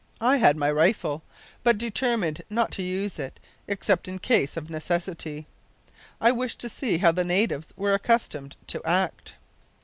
I had my rifle, but determined not to use it except in case of necessity. I wished to see how the natives were accustomed to act.